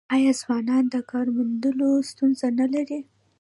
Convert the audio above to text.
آیا ځوانان د کار موندلو ستونزه نلري؟